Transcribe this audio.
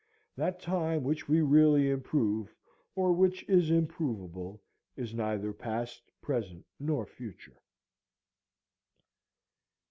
That time which we really improve, or which is improvable, is neither past, present, nor future.